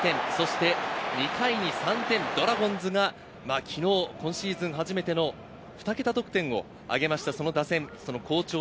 初回２点、２回に３点、ドラゴンズが昨日、今シーズン初めてのふた桁得点を挙げました。